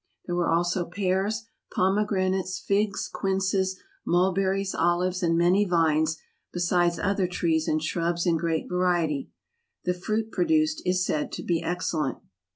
There were also pears, pomegranates, figs, quinces, mul¬ berries, olives, and many vines, besides other trees and shrubs in great variety. The fruit produced is said to be excellent.